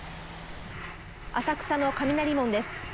浅草の雷門です。